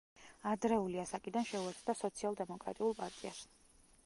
ადრეული ასაკიდან შეუერთდა სოციალ-დემოკრატიულ პარტიას.